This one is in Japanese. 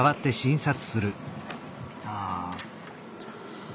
ああ。